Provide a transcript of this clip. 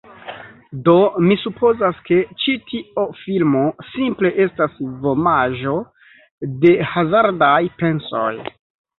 Do mi supozas, ke ĉi tio filmo simple estas vomaĵo de hazardaj pensoj.